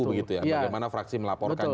bagaimana fraksi melaporkannya